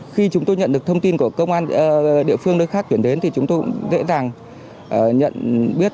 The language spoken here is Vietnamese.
khi chúng tôi nhận được thông tin của công an địa phương nơi khác chuyển đến thì chúng tôi cũng dễ dàng nhận biết